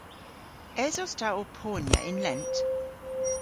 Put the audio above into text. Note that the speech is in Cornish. Esos ta ow ponya yn lent?